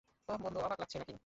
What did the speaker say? ওহ বন্ধু, অবাক লাগছে নাকি?